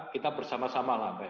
kita bersama sama lah